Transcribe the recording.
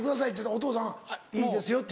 お父さん「いいですよ」って？